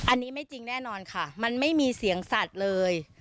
อันนี้ไม่จริงแน่นอนค่ะมันไม่มีเสียงสัตว์เลย